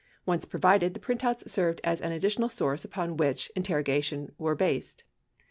Once provided, the printouts served as an additional source upon which interrogations were based.